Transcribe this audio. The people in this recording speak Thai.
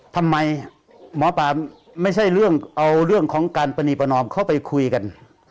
ทำไมหมอปลาไม่ใช่เรื่องเอาเรื่องของการปณีประนอมเข้าไปคุยกัน